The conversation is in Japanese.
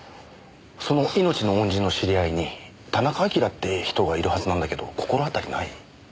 その命の恩人の知り合いに田中晶って人がいるはずなんだけど心当たりない？